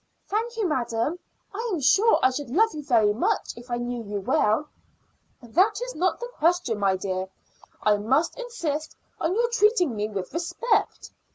"Thank you, madam. I am sure I should love you very much if I knew you well." "That is not the question, my dear. I must insist on your treating me with respect.